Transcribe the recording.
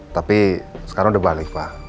tapi sekarang udah balik pak